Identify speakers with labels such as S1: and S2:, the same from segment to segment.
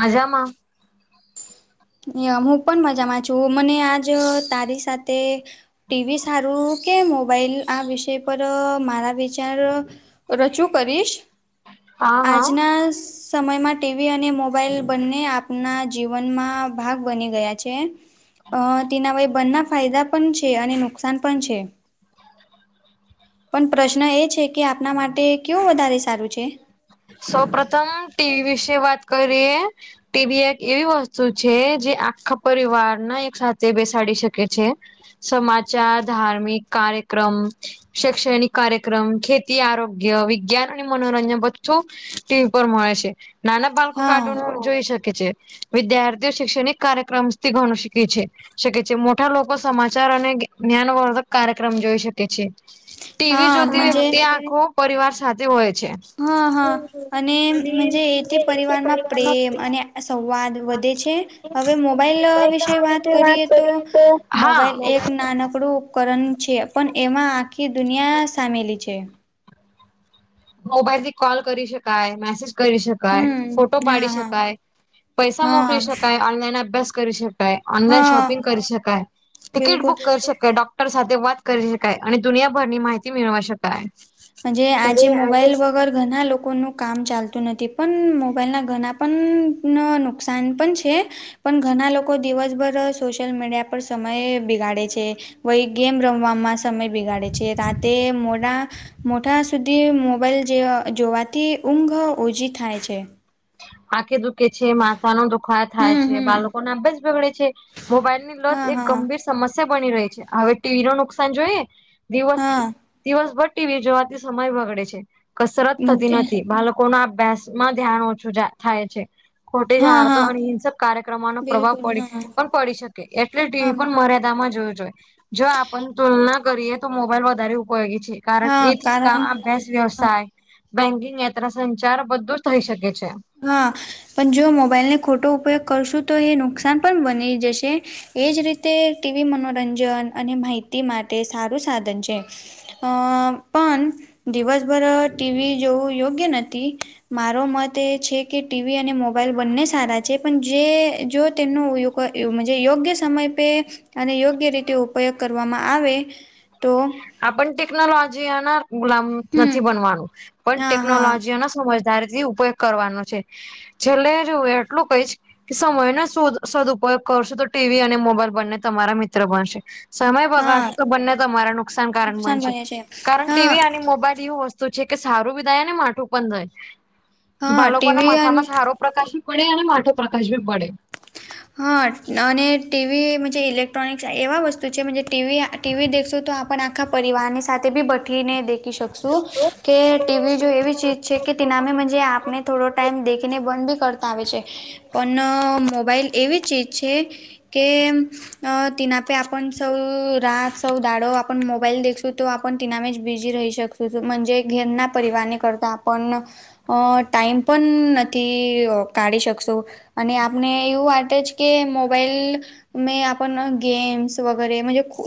S1: મજામાં.
S2: [unintelligible] હું પણ મજામાં છું. મને આજ તારી સાથે ટી વી સારું કે મોબાઈલ, આ વિષય પર મારા વિચાર રજૂ કરીશ.
S1: હા હા
S2: આજના સમયમાં ટી વી અને મોબાઈલ બંને આપના જીવનમાં ભાગ બની ગયા છે. અહ તેના વય બંના ફાયદા પણ છે, અને નુકસાન પણ છે. પણ પ્રશ્ન એ છે કે આપણા માટે ક્યું વધારે સારું છે?
S1: સૌ પ્રથમ ટી વી વિશે વાત કરીએ. ટી વી એક એવી વસ્તુ છે, જે આખા પરિવાર ના એક સાથે બેસાડી શકે છે. સમાચાર, ધાર્મિક કાર્યક્રમ શૈક્ષણિક કાર્યક્રમ, ખેતી, આરોગ્ય, વિજ્ઞાન અને મનોરંજન બધું છુ ટી વી ઉપર મળે છે. નાના બાળકો
S2: હા
S1: કાર્ટુન જોઈ શકે છે. વિદ્યાર્થીઓ શૈક્ષણિક કાર્યક્રમથી ઘણું શીખે છે. શકે છે, મોટા લોકો સમાચાર અને જ્ઞાનવર્ધક કાર્યક્રમ જોઈ શકે છે. ટી વી
S2: હા
S1: જોતી
S2: મજે
S1: વખતે આંખો પરિવાર સાથે હોય છે.
S2: હા હા અને મનજે એથી પરિવારમાં પ્રેમ અને સંવાદ વધે છે. હવે મોબાઈલ વિશે વાત કરીએ તો
S1: હા
S2: મોબાઈલ એક
S1: મોબાઈલ
S2: નાનકડું ઉપકરણ છે પણ એમાં આખી દુનિયા સામેલી છે.
S1: મોબાઈલથી કૉલ કરી શકાય, મેસેજ કરી શકાય. કાય,
S2: હમ
S1: ફોટો પાડી
S2: હા હા
S1: શકાય, પૈસા
S2: હા
S1: મોકલી શકાય, ઓનલાઈન અભ્યાસ કરી શકાય. ઓનલાઈન
S2: હા
S1: શોપિંગ કરી શકાય, ટિકિટ
S2: બિલકુલ
S1: બુક કરી શકાય ડોક ટર સાથે વાત કરી શકાય, અને દુનિયાભર ની માહિતી મેળવા શકાય.
S2: જ આજે મોબાઈલ વગર ઘણા લોકોનું કામ ચાલતું નથી પણ મોબાઈલના ઘણા પણ નુકસાન પણ છે. પણ ઘણા લોકો દિવસભર સોશિયલ મીડિયા પર સમય બિગાડે છે. વય ગેમ રમવામાં સમય બિગાડે છે રાતે મોડા મોટા સુધી મોબાઈલ જેવા જોવાથી ઊંઘ ઓછી થાય છે.
S1: આખે દુખે છે માતા નો દુખાાય થાય
S2: હમ
S1: છે
S2: હમ
S1: બાળકોને અભ્યાસ બગડે છે. મોબાઈલ ની લત
S2: હા
S1: એક
S2: હા
S1: ગંભીર સમસ્યા બની રહી છે, હવે ટીવી નો નુકસાન જોઈએ. દિવસ
S2: હા
S1: દિવસભર ટીવી જોવાથી સમય બગડે છે, કસરત થતી
S2: મજે
S1: નથી બાળકો કો ના અભ્યાસ માં ધ્યાન ઓછું થાય છે. ખોટી જ
S2: હા
S1: હારતો
S2: હા
S1: અને હિન્સક કાર્યક્રમોનો પ્રભાવ
S2: બિલકુલ
S1: પડી
S2: હા
S1: પણ પડી શકે એટલે
S2: આમ
S1: ટીવી પણ મર્યાદા જોવું જોઈએ જો આપ તુલના કરીએ તો મોબાઈલ વધારે ઉપયોગી છે. કારણ
S2: હા
S1: એથી
S2: કારણ
S1: આ બેસ્ટ
S2: હા
S1: વ્યવસાય બેન્કિંગ યાત્રા સંચાર બધું જ થઈ શકે છે.
S2: હા પણ જો મોબાઈલ ને ખોટો ઉપયોગ કરશું તો એ નુકસાન પણ બની જશે. એજ રીતે ટીવી મનોરંજન અને માહિતી માટે સારું સાધન છે. અ પણ દિવસભર ટીવી જોવું યોગ્ય નથી મારો મત છે કે ટીવી અને મોબાઈલ બંને સારા છે પણ જે જો તેનો યોગ યોગ્ય સમય પે અને યોગ્ય રીતે ઉપયોગ કરવામાં આવે તો
S1: આ પણ ટેકનોલોજીઅન ગુલામ
S2: હમ
S1: નથી બનવાનું પણ
S2: હા હા
S1: ટેકનોલોજીના સમઝ સમજદારથી પયોગ કરવાનો છે, છેલ્લે જો એટલું કઈશ કે સમય નો સુદ સદુપયોગ કરશો તો ટીવી અને મોબાઈલ બંને તમારા મિત્ર બનશે. સમય
S2: હા
S1: બગાડશો તો બંને તમારા નુકસાનકારક
S2: નુકસાન
S1: બનશે
S2: બને છે
S1: કારણ
S2: હા
S1: ટીવી અને મો મોબાઈલ એવું વસ્તુ છે કે સારું બી દાય ને માથું પણ જાય
S2: હા
S1: બાળકો ના
S2: ટીવી અને
S1: માથામાં સારો પ્રકાશ ભી પડે અને માથે પ્રકાશ બી પડે
S2: હા અને ટીવી મનજે ઇલેક્ટ્રોનિક્સ એવા વસ્તુ છે જે ટીવી ટીવી દેખશું તો આપણ આખા પરિવારની સાથે બી બેઠીને દેખી શકશું કે ટીવી જો એવી ચીજ છે કે તિનામે મનજે આપને થોડો ટાાઈમ દેખને બંધ ભી કરતા આવે છે પણ મોબાઈલ એવી ચીજ છે કે અ તિનાફે આપ સૌ રાત સૌ દાડો આપ મોબાઈલ દેશું તો આપ તિનાફ જ બિઝી રહી શક મનજે ઘેરના પરિવાની કરતા આપણ અ ટાઈમ પણ નથી કાઢી શકશું અને આપને એવું તે જ કે મોબાઈલ મે આપ ગેમ્સ વગેરે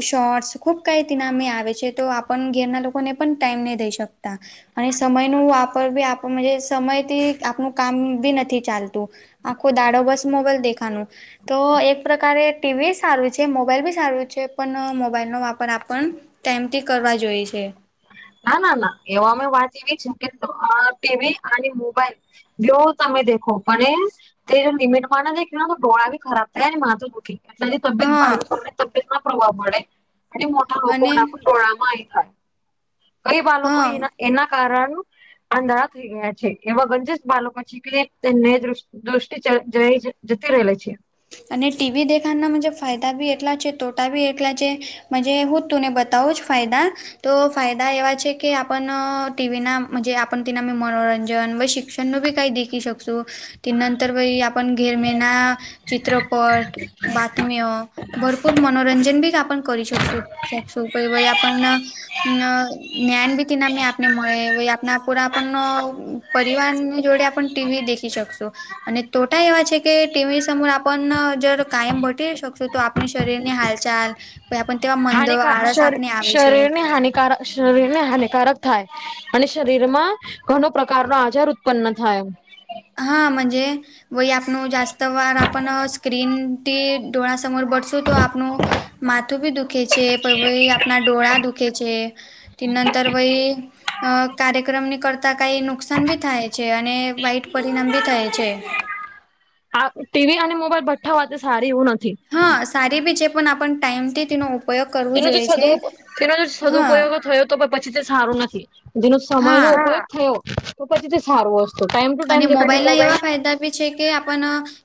S2: શોર્ટ્સ ખૂબ કઈ તિનામે આવે છે તો પણ ઘેરના લોકો ને પણ ટાઈમ નહી દઈ શકતા અને સમય નુ વાપર બી આપ સમયથી આપનું કામ બી નથી ચાલતું આખો દાડો બસ મોબાઈલ દેખાનો તો એક પ્રકારે ટીવી સારું છે મોબાઈલ બી સારું છે પણ મોબાઈલનો વાપર આપણ. તેમથી કરવા જોઈ છે.
S1: ના ના ના એવા અમે વાત એવી છે કે આ ટીવી અને મોબાઈલ [unintelligible] દેખો મને તે લિમિટ મામા ની દેખીયો તો ડોડા બી ખરાબ થાય અને માથું દુઃખી એટલાની તબિયત
S2: હા
S1: બાળકોને તબિયત ના પ્રભાવ પડે અને મોટા
S2: અને
S1: લોકોના પણ ટોળામાં થાય કઈ બાળકો
S2: હા
S1: એના એના કારણ આંધળા થઈ ગયા છે એવા ગંજસ બાળકો છેીખલેને દષ દૃષ્ટિ જ જતી રહેલા છે.
S2: અને ટીવી દેખાના ફાયદા બી એટલા છે તોટા બી એટલા છે હું તુંને બધુ તો જ ફાયદા તો ફાયદા એવા છે કે આપણ ટીવી ના આપ તના મનોરંજન પશી શિક્ષણ ન બી કઈ દેખી શકશ તે નંતર ભાઈ આપ ઘેર મેના ચિત્રપટ બતમ્ય ભરપૂર મનોરંજન બી આપણ કરી છુ [unintelligible] અ જ્ઞાન ભી તેના મે આપને મળે આપને પુરા આપ પરિવારની જોડે આપ ટીવી દેખી શકશુ. અને તોટા એવા છે કે ટીવી આપ જર કાયમ ભટે શકશો તો આપણી શરીર ની હાલચાલ પણ તેવા મંદ આળસ આપને આવે છે.
S1: શરીર ને હાનિકારક થાય અને શરીરમાં ઘણ પ્રકાર નો આજાર ઉત્પન થાય.
S2: હા મજે વય આપનું જાસ્ત વાર આપણ સ્ક્રીનથી ડોળા સમર બરશું તો આપણુ માથું ભી દુખે છે આપણા ડોરા દુખે છે. ત નંતર વય અ કાર્યક્રમની કરતાં કઈ નુકસાન ભી થાય છે અને વાઈટ પરિણામ બી થાય છે.
S1: આ ટીવી અને મોબાઈલ બઠ્ઠા હોતે સારી એવું નથી.
S2: હા સારી બી છે પણ આપણ ટાઈમથી તેનો ઉપયોગ કરવો
S1: તેનો જે
S2: જોઈએ
S1: સદુ
S2: છે.
S1: તેનો જે
S2: હા
S1: સદુપયોગ થયો તો પછી તે સારું નથી. જેનો સમય નો
S2: હા
S1: ઉપયોગ થયો તો પછી તે સારોત ટાઈમ ટુ ટાઈમ મોબાઈલ
S2: એવી છે કે આપ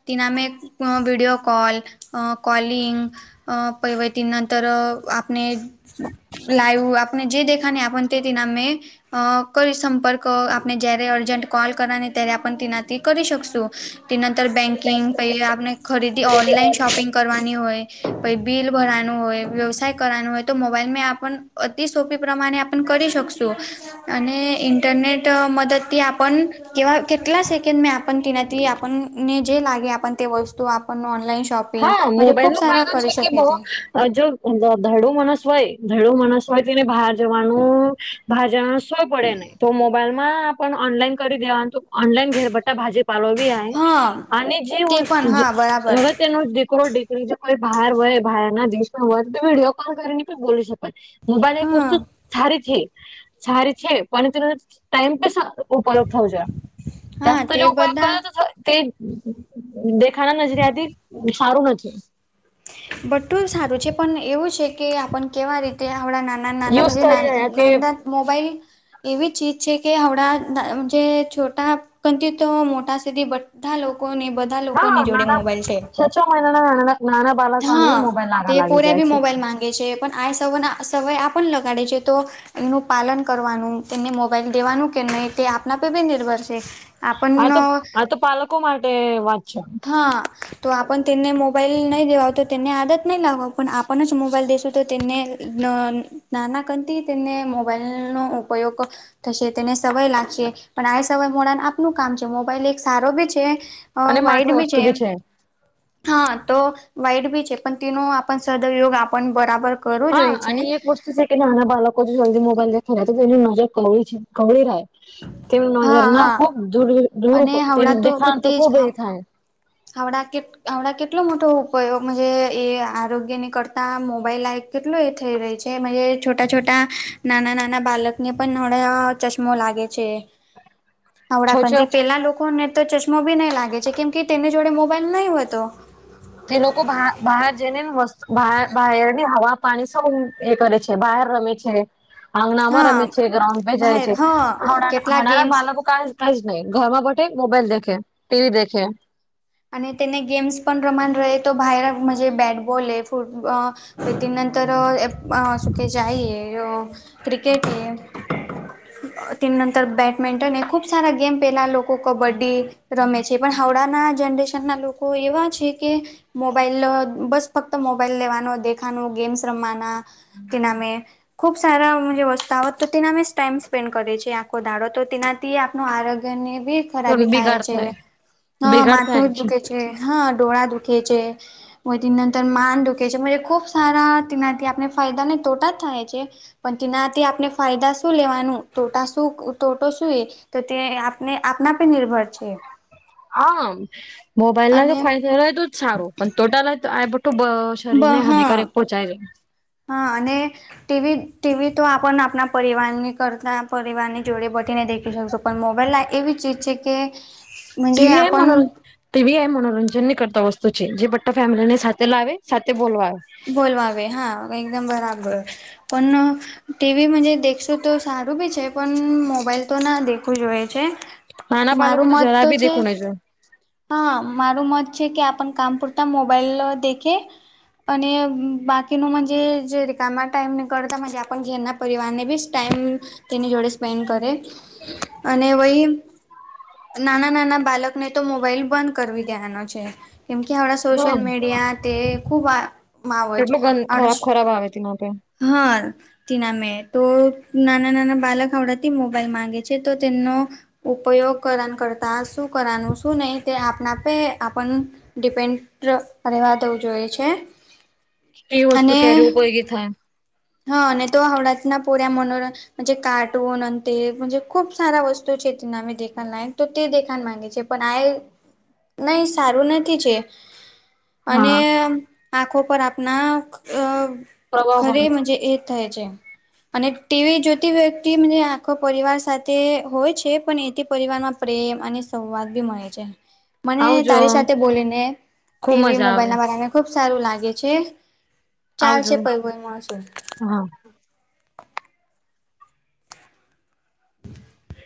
S2: તિનામે વિડિયો કોલ અ કોલિંગ અ પૈવટી નંતર આપણે લાઈવ આપણે જે દેખાને આપન તે દિનામે કરી સંપર્ક આપને જ્યારે અર્જેન્ટ કોલ કરની ત્યારે આપ તના કરી શક ત નર બકિંગ પ ખરીદી ઓનલાઈન શોપિંગ કરવાની હોય પ બિલ ભરવાનું હોય વ્યવસાય કરવાનો હોય તો મોબાઈલમાં આપણ અતિ સોપી પ્રમાણે આપ કરી શકશું. અને ઇન્ટરનેટ મદદથી આપણ કે કેટલા સેકન્ડ મેં આપ તના આપણને જે લાગે આપ તે વસ્તુ આપણ ઓનલાઈન શોપ
S1: હા મોબાઈલ નો ફાયદો છે કે બો આ જો ધડું મણસ હોય ધડું મણસ હોય તેને બહાર જવાનું બહાર જવાનું ય પડે નહી તો મોબાઈલ માં પણ ઓનલાઈન કરી દેવાનું ઓનલાઈન ઘેરબટ્ટા ભાજી પાાલો બી
S2: હા
S1: અને જે
S2: તે
S1: વસ્તુ
S2: પણ
S1: જ
S2: હા બરાબર
S1: જવત તેનો દીકરો દીકરી જો કોઈ બહાર હોય બહાર ના દેશમાં હોય તો વિડીયો કોલ કરીને પણ બોલી શકે. મોબાઈલ એક
S2: હા
S1: વસ્તુ સારી છે સારી છે પણ ટાઈમ ઉપયોગ થવ છે
S2: હા
S1: જાસ્ત
S2: તે
S1: જે ઉપયોગ કરો
S2: બધા
S1: તો તે દેખાના નજરિયાથી સારું નથી
S2: બટું સારું છે પણ એવું છે કે આપ કેવા રીતે આવડા નામ નાના
S1: યુઝ કરી રહ્યા તે
S2: ના મોબાઈલ એવી ચીજ છે કે હણાં જે છોટા [unintelligible] મોટા સુધી બધા લોકોને બધા લોક
S1: હા નાના છ-છ મહિના નાના-નાના બાળકોને
S2: હા
S1: બી મોબાઈલ
S2: તે
S1: [unintelligible] લાગી
S2: પોર્યા બી
S1: જાય છે.
S2: મોબાઈલ માંગે પણ આ સવ સવય આપ પણ લગાડે છે તો એ ન પાલન કરવાનું તેમને મોબાઈલ દેવાનું કે નહીં તે આપના પરે બી નિર્ભર છે.
S1: આ
S2: આપણ
S1: તો આ તો પાલકો માટે વાત છે
S2: હા તો આપણ તેને મોબાઈલ નહી દવા તો તેને આદત નહી લાગવા પણ આપણ જ મોબાઈલ દેશો તો તેમને નાના કથી તેમને મોબાઈલનો ઉપયોગ થશે. તેને સવય લાગશે, પણ આ સવય મોડા આપનું કામ છે, મોબાઈલ એક સારો બી છે. અહ
S1: અને
S2: વાઈટ
S1: માઠું
S2: બી
S1: વસ્તુ
S2: છે હા તો વાઈટ બી છે, પણ તેનો સદ્ઉયોગ આપન બરાબર કરવો
S1: હા,
S2: જોઈએ છે
S1: અને એક વસ તું છે કે નાના બાળકો જલ્દી મોબાઈલ ખેલાય તો તેની નજર કવળી છે કવળી રાય તેમ
S2: હા
S1: નજરમાં
S2: હા
S1: ખુબ દૂર દૂર
S2: અને
S1: તેન દેખાણ તો ખુબ એ થાય.
S2: હાવડા કે હાવડા કેટલો મોટો ઉપયોગ મનજે એ આરોગ્યની કરતા મોબાઈલ લાઈક કેટલું એ થઈ રહી છે એ મનજે છોટા છોટા નાના નાના બાલકને પણ નડા ચશ્મા લાગે છે.
S1: છો છ
S2: આવળકથી પેલા લોકોને તો ચશ્માો બી નહી લાગે છે કેમ કે તેની જોડે મોબાઈલ નહી હોતો.
S1: તે લોકો બહાર બહાર જઈને વસ્ત બહાર ની હવા પાણી સૌ એ કરે છે બહાર રમે છે. આંગનામાં
S2: હા
S1: રમે છે ગ્રાઉન્ડ પે જાય
S2: ભાઈ
S1: છે
S2: હા
S1: ડા
S2: કેટલા
S1: હડાના
S2: ગેમ્સ
S1: બાલકો કાજ કઈજ નહી ઘર માં બેઠે મોબાઈલ દખે ટી વી દખે.
S2: અને તેને ગેમ્સ પણ રમાન રહે તો ભૈરજ જે બેટબોલ ફૂં અહ પે તે નંતર અહ સુખે ખેંચ આઈ અહ ક્રિકેટ એ તે નંતર બેડમિન્ટન એ ખૂબ સારા ગેમ પહેલા લોકો કબડ્ડી રમે છે પણ હાવડાના જનરેશન ના લોકો એવા છે કે મોબાઈલ બસ ફક્ત મોબાઈલ લેવાનો દેખાનું ગેમ્સ રમવાના તે નામે ખૂબ સારા ઓ વસતા ઓ હોત તો તના અમે ટાઈમ સ્પેન્ડ કરએ છીએ આંખો દાડો તો તેના તે આપણું આરોગ્ય ને બી
S1: પણ
S2: ખરાબી થાય
S1: બિગાડ
S2: છે. હા
S1: બિગાડ
S2: માં
S1: થાય
S2: છે હા ડોળા દુખે છે. વધી તે નંતર માન દુખે છે ખુબ સારા તેનાથી આપડે ફાયદા ને તોટા જ થાય છે. પણ તેનાથી આપને ફાયદા શું લેવાનું ટોટા શું તોટો શું એ તો તે આપને આપના પર નિર્ભર છે.
S1: હા મોબાઈલ ના જો
S2: અને
S1: ફાયદા હો તો જ સારું પણ ટોટલ આ બટું બ શરીર
S2: બ
S1: ને હાનિકારક
S2: હા
S1: પોહોંચાઈ જાય.
S2: હા અને ટીવી ટીવી તો આપણ આપણા પરિવારની કરતા પરિવારની જોડે બીને દેખી શકશો. પણ મોબાઈલ આ એવી ચીજ છે કે મજે
S1: ટીવીઆ
S2: આપણ
S1: મનોરંજન તેવીી આ મનોરંજન ની કરતા વસ્તુ છે જે બટા ફેમિલી ને સાથે લાવે સાથે બોલવા આવે.
S2: બોલવાવે હા એકદમ બરાબર, પણ ટીવી મ દેખશું તો સારું બી છે પણ મોબાઈલ તો ના દેખવું જ હોઈ છે.
S1: નાના
S2: મારું
S1: બાળકો તો
S2: મત
S1: જરાબ ભી
S2: છે.
S1: દખું નને જો.
S2: હા મારું મત છે કે આપણ કામ પૂરતા મોબાઈલ દેખે. અને બાકીનુંજ જે કામ ટાઈમ નીકળતા આપ જેના પરિવારને વિચ ટાઈમ તેની જોડે સ્પેન્ડ કરે, અને વહી નાના નાના બાલકને તો મોબાઈલ બંધ કરવી દેવાનો છે, કેમકે આપણાં
S1: હા
S2: સોશિયલ મીડિયા તે ખૂબ આ માવજ
S1: કેટલું ગં
S2: આપડ
S1: ખરાબ ખરાબ આવે તેના પે
S2: હા. તના મે તો નાના નાના બાળક આવડાથી મોબાઈલ માંગે છે તો તેમનો ઉપયોગ કરવા કરતા શું કરવાનું શું નહી તે આપણા આપે આપણ ડિપેન્ડ રહેેવા દવું જોઈએ છે.
S1: એવી
S2: અને
S1: વસ્તુ કેરી કોઈગી થાય.
S2: હા અને તો હડાતના પોર્યા મનોરં જ કાર્ટૂન અને તે ખૂબ સારા વસ્તુ છેતીના દેખણ લ તો તે દેન માંગે છે. પણ આ નહી સારું નથી છે, અને
S1: હા
S2: આંખો પર આપણા અ
S1: પ્રભાવ
S2: ઘરે
S1: ભણે છે
S2: મજ એ થાય છે. અને ટીવી જોતી વ્યક્તિ મુજે આખો પરિવાર સાથે હોય છે પણ એથી પરિવારમાં પ્રેમ અને સંવાદ મળે છે મને
S1: આવજો
S2: તારી સાથે બોલીને
S1: ખુબ
S2: ટીવી
S1: મજા
S2: મોબાઈલ
S1: આવે
S2: ના બધાના ખુબ સારું લાગે છે ચાલ
S1: આવજો
S2: છે પએ મળશું.
S1: હા
S2: હમ